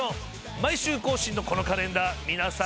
毎週更新のこのカレンダー皆さん